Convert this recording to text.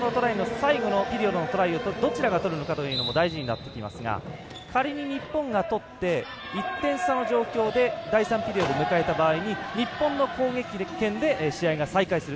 このピリオドの最後のトライをどちらがとるのかというのも大事なってきますが仮に日本がとって１点差の状況で第３ピリオド迎えた場合日本の攻撃権で試合が再開する。